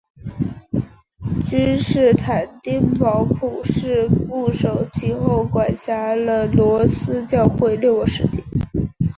君士坦丁堡普世牧首其后管辖了罗斯教会六个世纪。